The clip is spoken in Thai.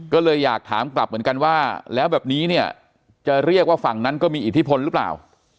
ก็เลยอยากถามกลับเหมือนกันว่าแล้วแบบนี้เนี่ยจะเรียกว่าฝั่งนั้นก็มีอิทธิพลหรือเปล่า